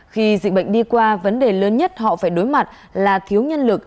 khi dịch bệnh đi qua vấn đề lớn nhất họ phải đối mặt là thiếu nhân lực